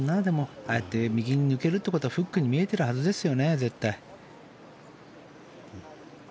ああやって右に抜けるってことは絶対フックに見えてるはずですよ。